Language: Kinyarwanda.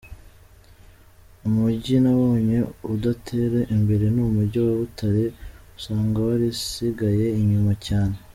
Umugi nabonye udatera imbere ni umugi wa Butare usanga warasigaye inyuma cyane.